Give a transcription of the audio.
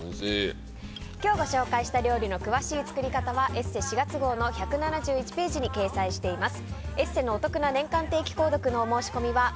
今日ご紹介した料理の詳しい作り方は「ＥＳＳＥ」４月号の１７１ページに掲載しています。